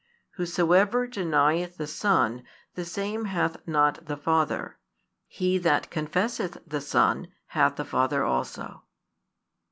Whosoever denieth the Son, the same hath not the Father; he that confesseth the Son hath the Father also.